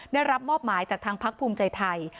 ได้รับมอบหมายจากทางพักภูมิใจไทย